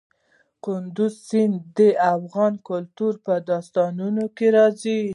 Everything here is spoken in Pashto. کندز سیند د افغان کلتور په داستانونو کې راځي.